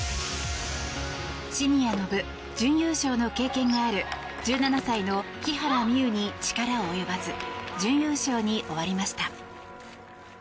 シニアの部準優勝の経験がある１７歳の木原美悠に力及ばず準優勝に終わりました。